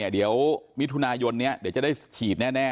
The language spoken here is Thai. เดี๋ยวมิถุนายนนี้เดี๋ยวจะได้ฉีดแน่